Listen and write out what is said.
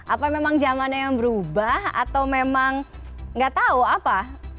apa memang zamannya yang berubah atau memang nggak tahu apa